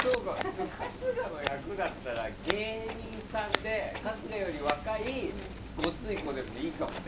春日の役だったら芸人さんで、春日より若いゴツい子でもいいかもね。